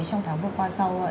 trong tháng vừa qua sau